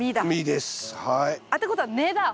ってことは根だ！